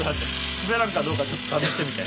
滑らんかどうかちょっと試してみて。